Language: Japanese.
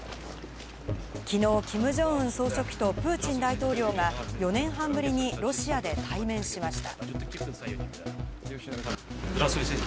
きのうキム・ジョンウン総書記とプーチン大統領が４年半ぶりにロシアで対面しました。